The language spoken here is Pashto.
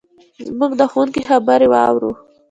موږ د ښوونکي خبرې واورو.